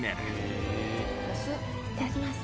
いただきます。